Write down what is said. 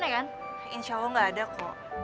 eh iya itu abang aku